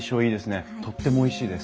とってもおいしいです。